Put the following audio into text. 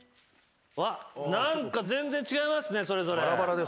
何か全然違いますねそれぞれ。